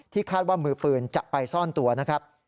คาดว่ามือปืนจะไปซ่อนตัวนะครับ